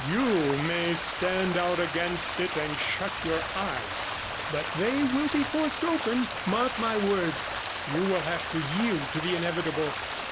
You may stand out against it, and shut your eyes, but they will be forced open; mark my words, you will have to yield to the inevitable.